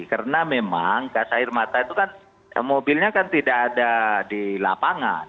karena memang gas air mata itu kan mobilnya kan tidak ada di lapangan